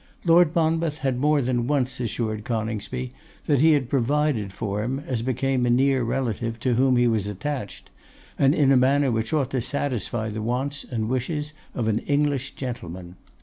Lord Monmouth had more than once assured Coningsby that he had provided for him as became a near relative to whom he was attached, and in a manner which ought to satisfy the wants and wishes of an English gentleman.